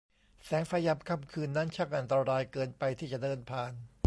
แสงไฟยามค่ำคืนนั้นช่างอันตรายเกินไปที่จะเดินผ่าน